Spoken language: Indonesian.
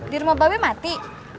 di rumah babe mati